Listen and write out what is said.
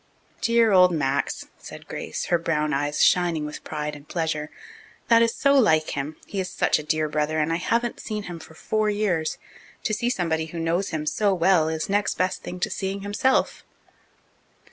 "Dear old Max," said Grace, her brown eyes shining with pride and pleasure. "That is so like him. He is such a dear brother and I haven't seen him for four years. To see somebody who knows him so well is next best thing to seeing himself."